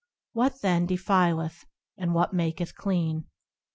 What, then, defileth, and what maketh clean?